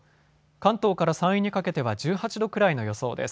関東から山陰にかけては１８度くらいの予想です。